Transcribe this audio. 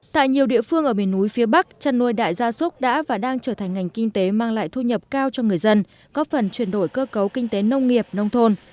tại nhiều địa phương ở miền núi phía bắc chăn nuôi đại gia súc đã và đang trở thành ngành kinh tế mang lại thu nhập cao cho người dân góp phần chuyển đổi cơ cấu kinh tế nông nghiệp nông thôn